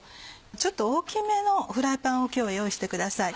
ちょっと大きめのフライパンを今日は用意してください。